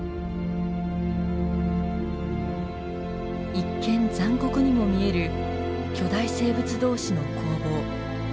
一見残酷にも見える巨大生物同士の攻防。